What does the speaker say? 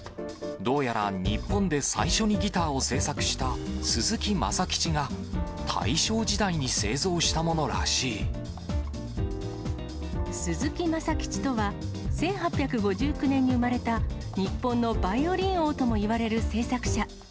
どうやら日本で最初にギターを製作した鈴木政吉が、鈴木政吉とは、１８５９年に生まれた日本のバイオリン王ともいわれる製作者。